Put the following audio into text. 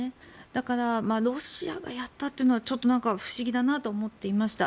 だからロシアがやったというのはちょっと不思議だなと思っていました。